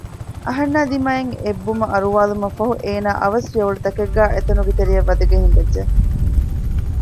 އަހަންނާ ދިމާއަށް އެއްބުމަ އަރުވާލުމަށްފަހު އޭނާ އަވަސް ފިޔަވަޅުތަކެއްގައި އެތަނުގެ ތެރެއަށް ވަދަގެން ހިނގައްޖެ